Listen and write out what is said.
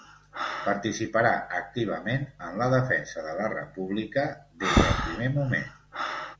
Participarà activament en la defensa de la República des del primer moment.